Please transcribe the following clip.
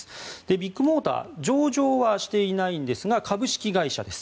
ビッグモーターは上場していませんが株式会社です。